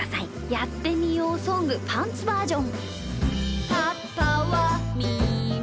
「やってみようソングパンツバージョン」。